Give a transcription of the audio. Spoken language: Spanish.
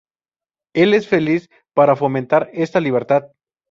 Él es feliz para fomentar esta libertad".